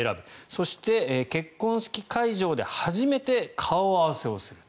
そして、結婚式会場で初めて顔合わせをする。